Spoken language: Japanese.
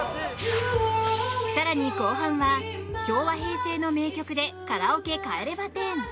更に後半は昭和・平成の名曲でカラオケ帰れま１０。